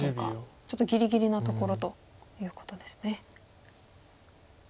ちょっとぎりぎりなところということですね。